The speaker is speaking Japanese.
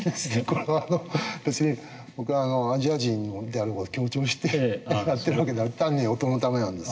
これは別に僕はアジア人である事強調してやってる訳ではなくて単に音のためなんですけど。